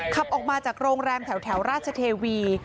ขับออกมาจากโรงแรมแถวราชเทวี